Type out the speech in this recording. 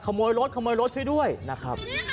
ขโมยรถขโมยรถให้ด้วยนะครับ